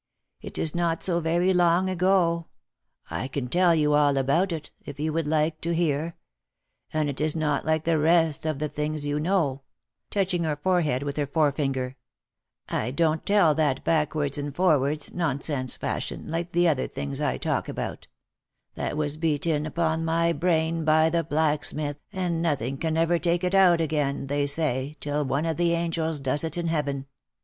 It is not so very long ago — I can tell you all about it, if you would like to hear — and it is not like the rest of the things you know," touching her forehead with her fore finger ;" I don't tell that backwards and forwards, nonsense fashion, like the other things I talk about — that w T as beat in upon my brain by the blacksmith, and nothing can ever take it out again, they say, till one of the angels does it in heaven.